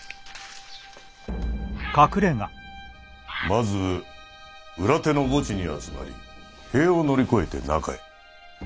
まず裏手の墓地に集まり塀を乗り越えて中へ。